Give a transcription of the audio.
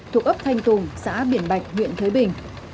thuộc ấp thanh tùng xã biển bạch huyện thới bình